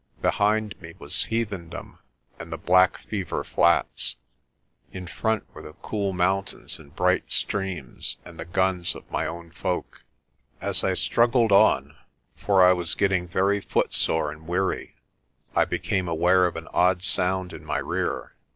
Behind me was heathendom and the black fever flats. In front were the cool mountains and bright streams, and the guns of my own folk. As I struggled on for I was getting very footsore and weary I became aware of an odd sound in my rear.